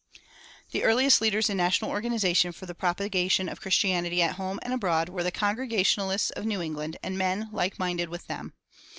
The earliest leaders in national organization for the propagation of Christianity at home and abroad were the Congregationalists of New England and men like minded with them.